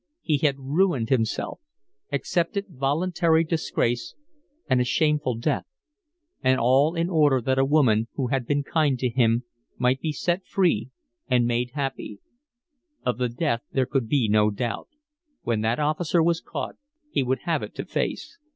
He had ruined himself, accepted voluntarily disgrace and a shameful death. And all in order that a woman who had been kind to him might be set free and made happy. Of the death there could be no doubt. When that officer was caught he would have it to face.